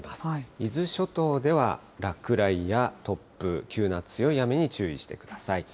伊豆諸島では落雷や突風、急な強い雨に注意してください。